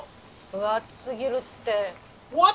「分厚すぎる」って。